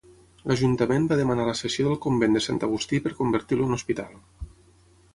L'Ajuntament va demanar la cessió del convent de Sant Agustí per convertir-lo en hospital.